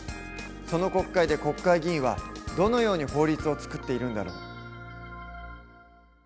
その国会で国会議員はどのように法律を作っているんだろう？